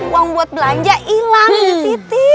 uang buat belanja ilang disiti